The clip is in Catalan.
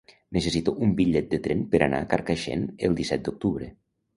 Necessito un bitllet de tren per anar a Carcaixent el disset d'octubre.